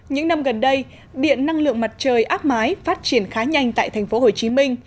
những năm gần đây điện năng lượng mặt trời áp mái phát triển khá nhanh tại thành phố hồ chí minh